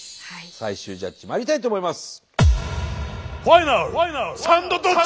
最終ジャッジまいりたいと思います。